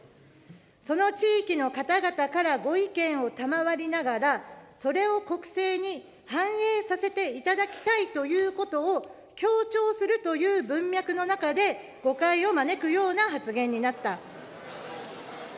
その地域の方々からご意見を賜りながら、それを国政に反映させていただきたいということを強調するという文脈の中で、誤解を招くような発言になった。